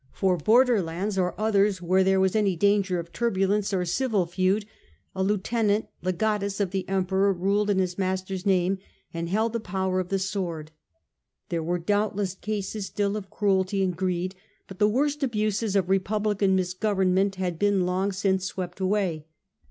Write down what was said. F or border lands, or others where there was any danger of turbulence or civil feud, a lieutenant (legatus) of the Emperor ruled in his masters name, and held the power of the sword. There were doubtless cases still of cruelty and greed; but the worst abuses of republican misgovern ment had been long since swept away.